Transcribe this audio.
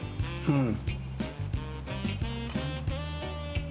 うん。